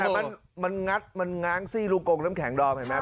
แต่มันงัดมันง้างซี่ลูกกงน้ำแข็งดอมเห็นไหม